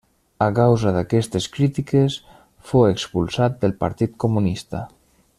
A causa d'aquestes crítiques fou expulsat del Partit Comunista.